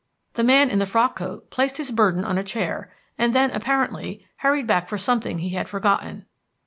The man in the frock coat placed his burden on a chair, and then, apparently, hurried back for something he had forgotten.